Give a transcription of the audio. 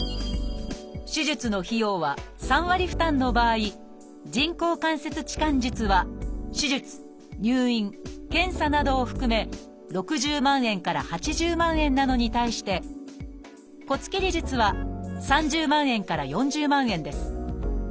手術の費用は３割負担の場合人工関節置換術は手術入院検査などを含め６０万円から８０万円なのに対して骨切り術は３０万円から４０万円です。